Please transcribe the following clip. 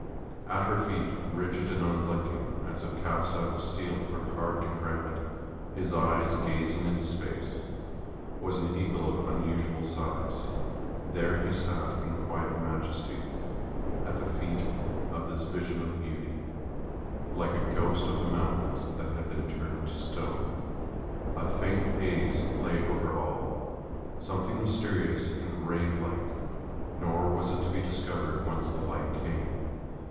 At her feet, rigid and unblinking, as if cast out of steel or carved in granite, his eyes gazing into space, was an eagle of unusual size; there he sat in quiet majesty at the feet of this vision of beauty, like a ghost of the mountains that had been turned to stone. A faint haze lay over all, something mysterious and grave like; nor was it to be discovered whence the light came.